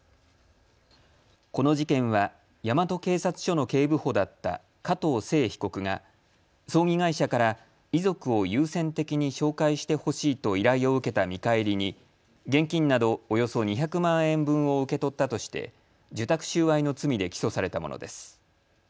この事件は大和警察署の警部補だった加藤聖被告が葬儀会社から遺族を優先的に紹介してほしいと依頼を受けた見返りに現金などおよそ２００万円分を受け取ったとして受託収賄の罪で起訴されたものです。